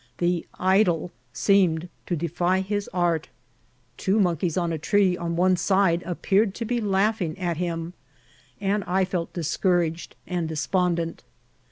The 1^ idoP' seemed to defy his art ; two mon lasyn on a tree on one side appeared to be lauding at him, and I felt diaeouraged and despondent.